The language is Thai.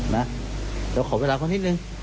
ก็ขอเวลาก็นิดนึง